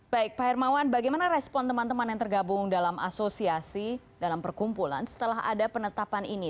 baik pak hermawan bagaimana respon teman teman yang tergabung dalam asosiasi dalam perkumpulan setelah ada penetapan ini